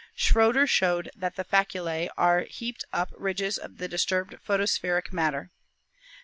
Schroter showed that the facube are heaped up ridges of the disturbed photospheric matter.